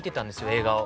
映画を。